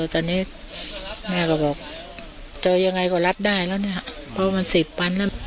ตอนนี้แม่ก็บอกเจอยังไงก็รับได้แล้วเนี่ยเพราะมัน๑๐วันแล้ว